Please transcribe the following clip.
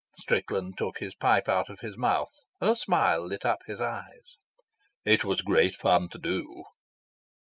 Strickland took his pipe out of his mouth, and a smile lit up his eyes. "It was great fun to do."